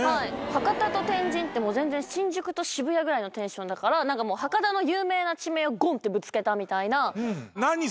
博多と天神って新宿と渋谷ぐらいのテンションだから博多の有名な地名をゴンッてぶつけたみたいな。